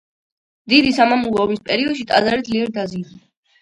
დიდი სამამულო ომის პერიოდში ტაძარი ძლიერ დაზიანდა.